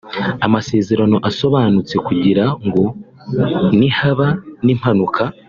amasezerano asobanutse kugira ngo nihaba n’impanuka